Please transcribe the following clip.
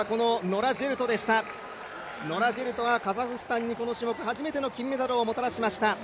ノラ・ジェルトがカザフスタンにこの種目初めての金メダルをもたらしました。